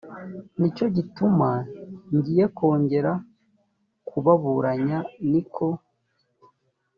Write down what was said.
ni cyo gituma ngiye kongera kubaburanya ni ko